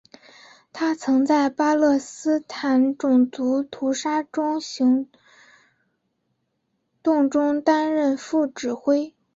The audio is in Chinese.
他曾在巴勒斯坦种族屠杀行动中担任副指挥。